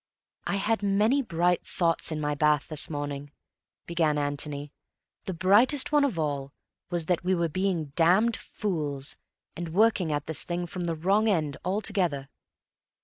"I had many bright thoughts in my bath this morning," began Antony. "The brightest one of all was that we were being damn fools, and working at this thing from the wrong end altogether."